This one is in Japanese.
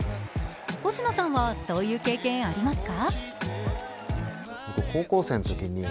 星野さんは、そういう経験ありますか？